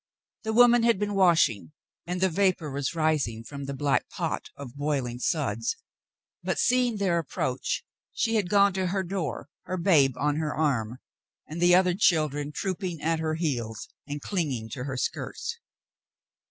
The woman had been washing, and the vapor was rising from the black pot of boiling suds, but, seeing their ap proach, she had gone to her door, her babe on her arm and the other children trooping at her heels and clinging to her skirts.